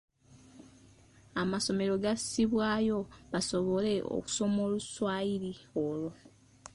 Amasomero gassibwayo basobole okusoma Oluswayiri olwo.